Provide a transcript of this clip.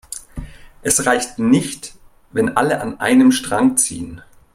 Es reicht nicht, wenn alle an einem Strang ziehen.